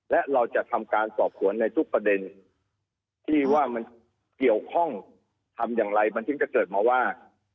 และเราจะทำการสอบสวนในทุกประเด็นที่ว่ามันเกี่ยวข้องทำอย่างไรมันถึงจะเกิดมาว่า